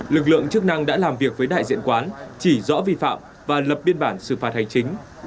lực lượng chức năng đã làm việc với đại diện quán chỉ rõ vi phạm và lập biên bản xử phạt hành chính